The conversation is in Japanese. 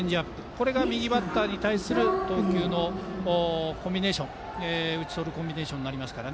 これが右バッターに対する投球のコンビネーション打ち取るコンビネーションになりますから。